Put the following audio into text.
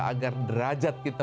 bukan hanya mengajarkan kita